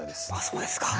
そうですか。